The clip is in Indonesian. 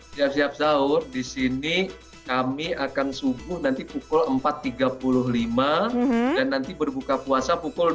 siap siap sahur di sini kami akan subuh nanti pukul empat tiga puluh lima dan nanti berbuka puasa pukul dua puluh